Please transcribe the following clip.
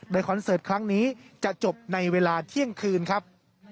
โดยคอนเสิร์ตครั้งนี้จะจบในเวลาเที่ยงคืนครับ